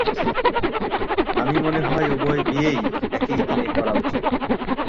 আমি মনে হয় উভয় বিয়েই, একই দিনে করা উচিত।